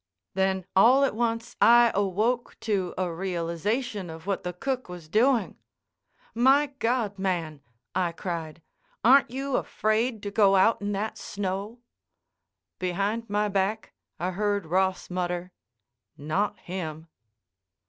Then all at once I awoke to a realization of what the cook was doing. "My God, man!" I cried, "aren't you afraid to go out in that snow?" Behind my back I heard Ross mutter, "Not him."